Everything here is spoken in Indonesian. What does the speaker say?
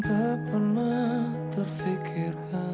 saya dulu mau ambil ini